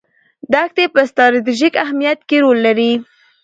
دښتې په ستراتیژیک اهمیت کې رول لري.